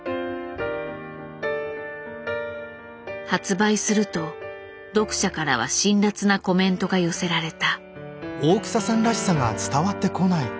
発売すると読者からは辛辣なコメントが寄せられた。